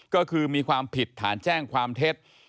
ก็คือมีความผิดฐานแจ้งความเท็จ